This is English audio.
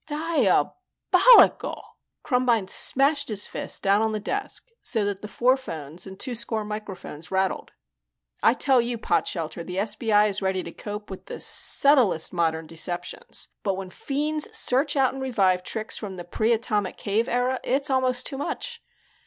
"Diabolical!" Krumbine smashed his fist down on the desk so that the four phones and two score microphones rattled. "I tell you, Potshelter, the SBI is ready to cope with the subtlest modern deceptions, but when fiends search out and revive tricks from the pre Atomic Cave Era, it's almost too much.